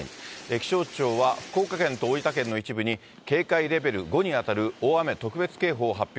気象庁は福岡県と大分県の一部に、警戒レベル５に当たる大雨特別警報を発表。